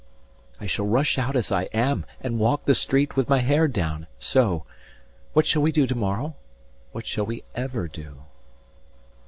I shall rush out as I am, and walk the street With my hair down, so. What shall we do to morrow? What shall we ever do?"